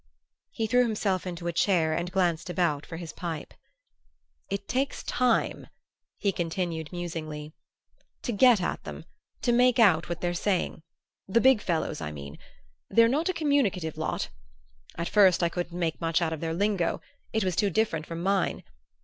He threw himself into a chair and glanced about for his pipe. "It takes time," he continued musingly, "to get at them, to make out what they're saying the big fellows, I mean. They're not a communicative lot. At first I couldn't make much out of their lingo it was too different from mine!